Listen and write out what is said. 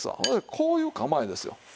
それでこういう構えですよ。